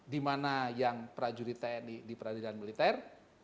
di mana yang prajurit tni di peradilan militer